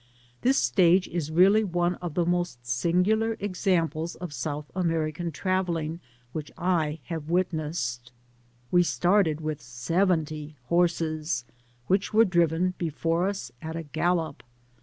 This stage is really one of the most angular ex* amples of South American travelling which I have witnessed. We started mth seventy horses, which were driven before us at a gallop.